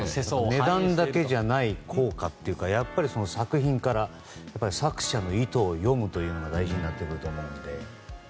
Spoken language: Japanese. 値段だけじゃない効果というかやっぱり作品から作者の意図を読むことが大事になってくると思うので。